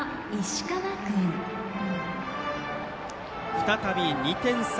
再び２点差。